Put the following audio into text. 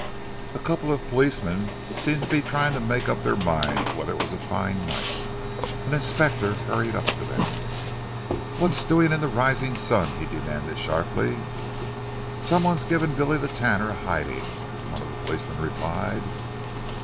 A couple of policemen seemed to be trying to make up their minds whether it was a fine night. An inspector hurried up to them. "What's doing in 'The Rising Sun'?" he demanded sharply. "Some one's giving Billy the Tanner a hiding," one of the policemen replied.